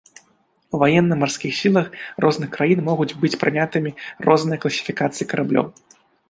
У ваенна-марскіх сілах розных краін могуць быць прынятымі розныя класіфікацыі караблёў.